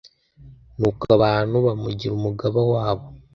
nuko abantu bamugira umugaba wabo